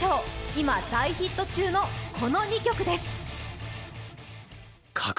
今、大ヒット中のこの２曲です。